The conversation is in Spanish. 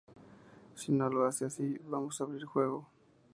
Si no lo hace así, vamos a abrir fuego!